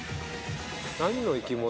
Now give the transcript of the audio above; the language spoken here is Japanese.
何の生き物？